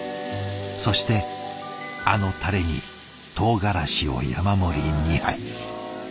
そしてあのタレにとうがらしを山盛り２杯。